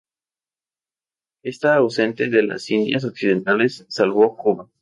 Está ausente de las Indias Occidentales, salvo Cuba.